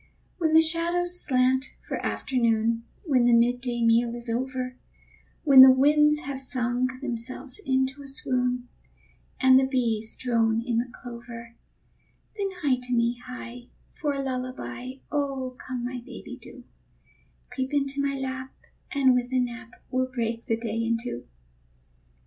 When the shadows slant for afternoon, When the midday meal is over, When the winds have sung themselves into a swoon, And the bees drone in the clover, Then hie to me, hie, for a lullaby Come, my baby, do; Creep into my lap, and with a nap We'll break the day in two.